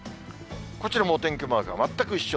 こちらもお天気マークは全く一緒。